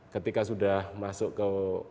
ketika sudah masuk ke